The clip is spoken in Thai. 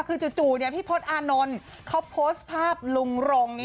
คือจู่พี่พลอาร์นนนท์เขาโพสต์ภาพลุงรงค์นี้